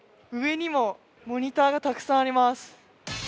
上にもモニターがたくさんあります。